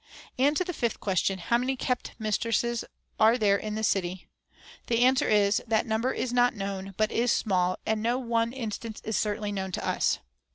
"And to the fifth question, 'How many kept mistresses are there in the city?' the answer is, That the number is not known, but is small, and no one instance is certainly known to us.